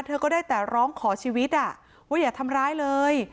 เธอก็ได้แต่ร้องขอชีวิตว่าอย่าทำร้ายเลย